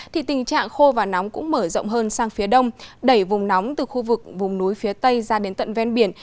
thì tình trạng khô và nóng cũng mở rộng hơn sang phía đông đẩy vùng nóng từ khu vực vùng núi phía tây ra đến tận ven biển